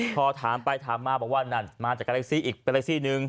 พอถามไปถามมาบอกว่านั่นมาจากแกล็กซี่อีกแกล็กซี่นึง